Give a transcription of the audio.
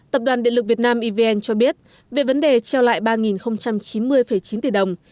tập đoàn điện lực việt nam evn cho biết về vấn đề treo lại ba chín mươi chín tỷ đồng